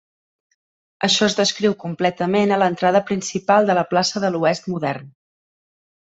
Això es descriu completament a l'entrada principal de la plaça de l'oest modern.